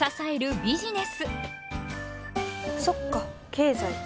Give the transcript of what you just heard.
そっか経済。